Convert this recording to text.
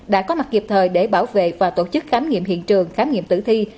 đã có mặt kịp thời để bảo vệ và tổ chức khám nghiệm hiện trường khám nghiệm tử thi